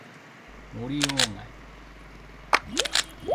森鴎外